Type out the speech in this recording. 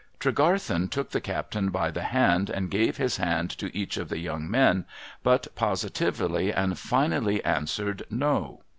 Tregarthen took the captain by the hand, and gave his hand to each of the young men, but positively and finally answered No.